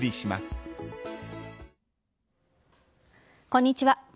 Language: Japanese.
こんにちは。